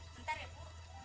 bentar ya bu